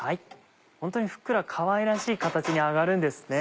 ホントにふっくらかわいらしい形に揚がるんですね。